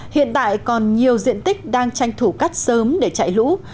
hiện tại còn nhiều diện tích đang tranh thủ cắt sớm để chạy lũ